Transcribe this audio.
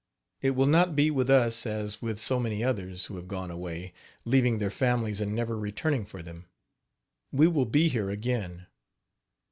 It will not be with us as with so many others, who have gone away, leaving their families and never returning for them. We will be here again.